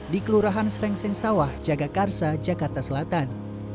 di kelurahan srengseng sawah jagakarsa jakarta selatan